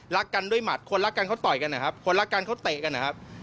รักกันด้วยหมัดคนรักกันเขาต่อยกันนะครับคนรักกันเขาเตะกันนะครับ